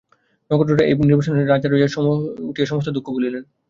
নক্ষত্ররায় এই নির্বাসনের রাজা হইয়া উঠিয়া সমস্ত দুঃখ ভুলিলেন।